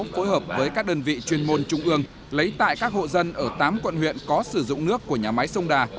phối hợp với các đơn vị chuyên môn trung ương lấy tại các hộ dân ở tám quận huyện có sử dụng nước của nhà máy sông đà